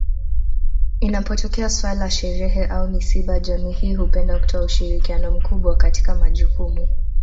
Inapotokea suala sherehe au misiba jamii hii hupenda kutoa ushirikiano mkubwa katika majukumu